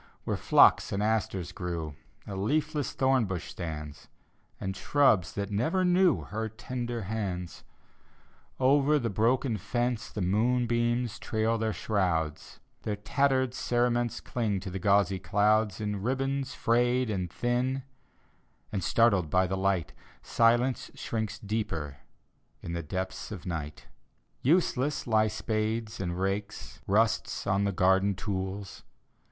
Where phlox and asters grew, A leafless thornbush stands, And shrubs that never knew Her tender hands. .,. D,gt,, erihyGOOgle Gkosts 135 Over the broken fence The moonbeams trail their shrouds; Their tattered cerements Cling to the gauzy clouds, In ribbons frayed and thin — And startled by the light Silence shrinks deeper in The depths of night. Useless lie spades and rakes; Rust's on the garden tools.